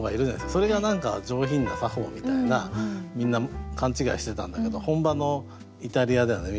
それが何か上品な作法みたいなみんな勘違いしてたんだけど本場のイタリアではね